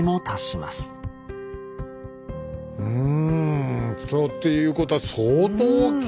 うんということは相当大きい。